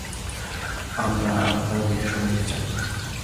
আমরা আপনার বেশি সময় নিতে চাই না।